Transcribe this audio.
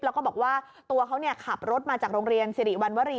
แล้วก็บอกว่าตัวเขาขับรถมาจากโรงเรียนสิริวัณวรี